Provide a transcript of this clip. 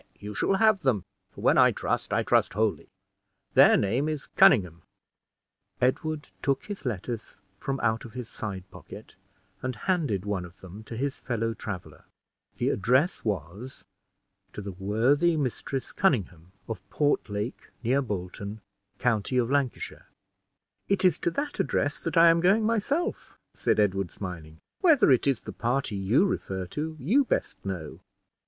"Nay, you shall have them; for when I trust, I trust wholly. Their name is Conynghame." Edward took his letters from out of his side pocket, and handed one of them to his fellow traveler. The address was, "To the worthy Mistress Conynghame, of Portlake, near Bolton, county of Lancashire." "It is to that address that I am going myself," said Edward, smiling. "Whether it is the party you refer to, you best know."